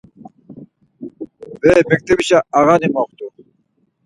Bere mektebişe ağani moxtu.